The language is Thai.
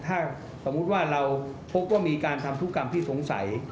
ถ้าสมมุติว่าเราพบว่ามีการทำธุกรรมที่สงสัย